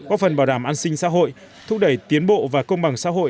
góp phần bảo đảm an sinh xã hội thúc đẩy tiến bộ và công bằng xã hội